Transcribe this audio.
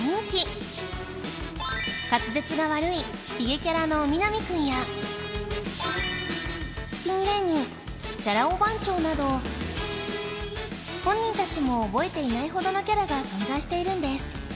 滑舌が悪いひげキャラの南くんやピン芸人チャラ男番長など本人たちも覚えていないほどのキャラが存在しているんです